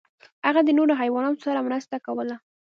هغه د نورو حیواناتو سره مرسته کوله.